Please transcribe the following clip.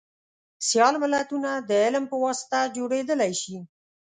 سیال ملتونه دعلم په واسطه جوړیدلی شي